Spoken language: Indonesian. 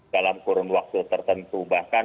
dalam kurun waktu tertentu